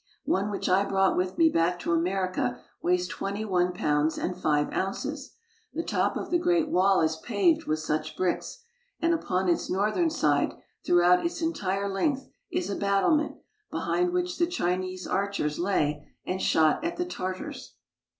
One which I brought with me back to America weighs twenty one pounds and five ounces. The top of the Great Wall is paved with such bricks, and upon its northern side, throughout its entire length, is a battlement, behind which the Chinese archers lay and shot at the Tartars.